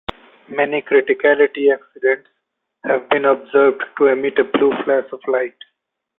Many criticality accidents have been observed to emit a blue flash of light.